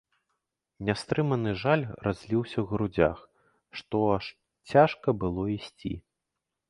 Нястрыманы жаль разліўся ў грудзях, што аж цяжка было ісці.